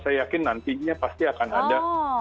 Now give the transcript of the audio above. saya yakin nantinya pasti akan ada